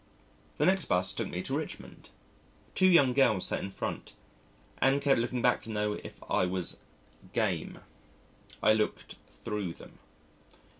The next 'bus took me to Richmond. Two young girls sat in front, and kept looking back to know if I was "game." I looked through them.